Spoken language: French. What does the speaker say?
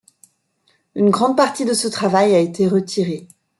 Une grande partie de ce travail a été retiré.